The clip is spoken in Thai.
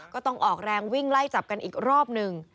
ก็ต้องออกแรงวิ่งไล่จับกันอีกรอบหนึ่ง